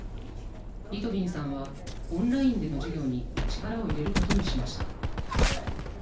リトビンさんはオンラインでの授業に力を入れることにしました。